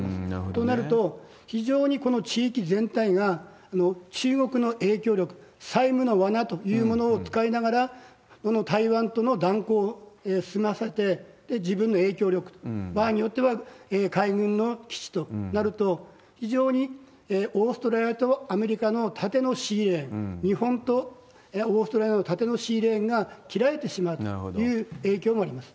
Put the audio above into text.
となると、非常にこの地域全体が中国の影響力、債務の罠というものを使いながら、この台湾とのだんこうを済ませて、自分の影響力、場合によっては海軍の基地となると、非常にオーストラリアとアメリカの縦のシーレーン、日本とオーストラリアの縦のシーレーンが切られてしまうという影響もあります。